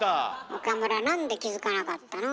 岡村なんで気付かなかったの？